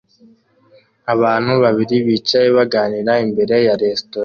Abantu babiri bicaye baganira imbere ya resitora